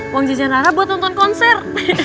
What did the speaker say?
uang jajan rara buat nonton konser